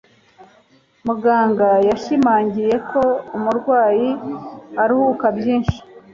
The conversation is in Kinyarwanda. Muganga yashimangiye ko umurwayi aruhuka byinshi.